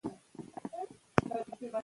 تعلیم لرونکې ښځې سالمې پرېکړې کوي.